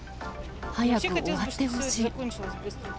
早く終わってほしい。